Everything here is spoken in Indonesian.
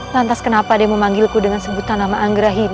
lantas kenapa dia memanggilku dengan sebutan nama angg adjusting